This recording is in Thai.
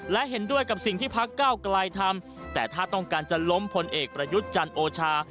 และเห็นด้วยกับสิ่งที่พักเก้าไกลทำแต่ถ้าต้องการจะล้มพลเอกประยุทธ์จันทร์โอชา